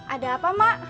ada apa mak